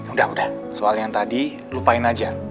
udah udah soal yang tadi lupain aja